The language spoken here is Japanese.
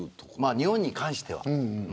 日本に関しては。